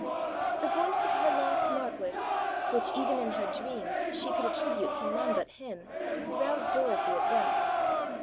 The voice of her lost Marquis, which even in her dreams she could attribute to none but him, roused Dorothy at once.